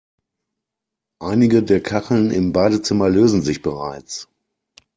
Einige der Kacheln im Badezimmer lösen sich bereits.